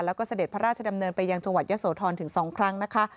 แล้วก็เสด็จพระราชดำเนินไปยังจังหวัดยะโสธรถึง๒ครั้งนะคะ